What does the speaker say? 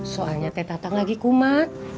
soalnya teh tatang lagi kumat